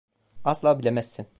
Asla bilemezsin.